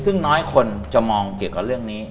ซึ่งน้อยคนจะมองเกี่ยวกับเรื่องนี้